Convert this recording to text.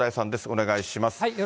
お願いします。